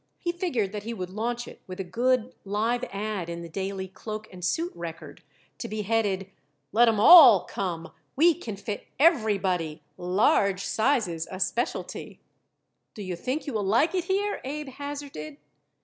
He figured that he would launch it with a good, live ad in the Daily Cloak and Suit Record, to be headed: Let 'Em All Come. We Can Fit Everybody. Large Sizes a Specialty. "Do you think you will like it here?" Abe hazarded.